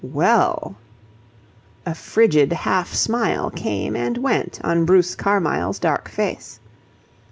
"Well..." A frigid half smile came and went on Bruce Carmyle's dark face.